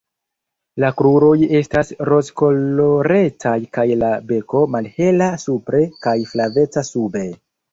La kruroj estas rozkolorecaj kaj la beko malhela supre kaj flaveca sube.